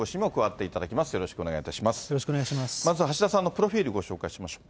まずは橋田さんのプロフィールご紹介いたしましょう。